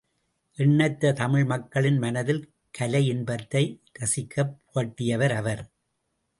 எண்ணற்ற தமிழ் மக்களின் மனத்தில் கலை இன்பத்தை ரசிக்கப் புகட்டியவர் அவர்.